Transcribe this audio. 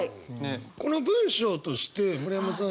この文章として村山さん